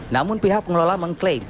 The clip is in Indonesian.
namun pihak pengelola mengklaim